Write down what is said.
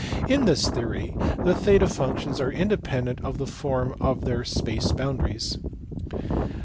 471, 482); in this theory the theta functions are independent of the form of their space boundaries.